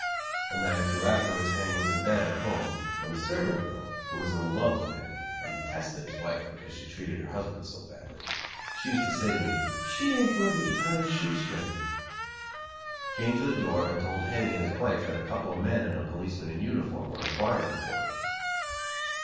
A night or two afterwards Henny was in bed at home, when the servant girl, who was in love with Henny, and detested his wife because she treated her husband so badly (she used to say to me, "She ain't worthy to tie his shoe string") came to the door and told Henny and his wife that a couple of men and a policeman in uniform were inquiring for him.